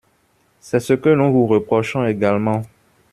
C’est ce que nous vous reprochons également.